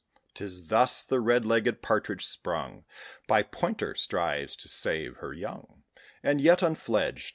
'Tis thus the red legged partridge, sprung By pointer, strives to save her young, As yet unfledged.